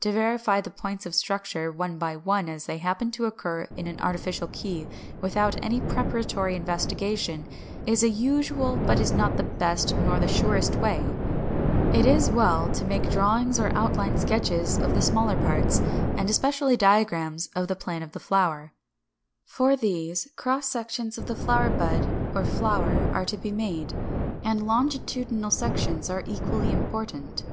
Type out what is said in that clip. To verify the points of structure one by one as they happen to occur in an artificial key, without any preparatory investigation, is a usual but is not the best nor the surest way. It is well to make drawings or outline sketches of the smaller parts, and especially diagrams of the plan of the flower, such as those of Fig. 225, 227, 241, 244, 275 277. For these, cross sections of the flower bud or flower are to be made: and longitudinal sections, such as Fig. 270 274, are equally important.